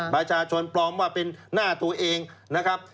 ประชาชนปลอมว่าเป็นหน้าตัวเองนะครับ